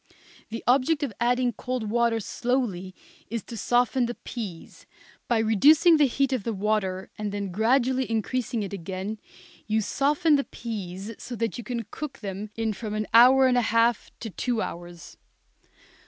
The object of adding cold water slowly is to soften the peas, by reducing the heat of the water and then gradually increasing it again you soften the peas so that you can cook them in from an hour and a half to two hours.